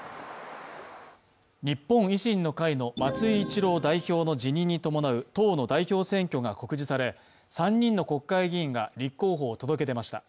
日本維新の会の松井一郎代表の辞任に伴う党の代表選挙が告示され、３人の国会議員が立候補を届け出ました。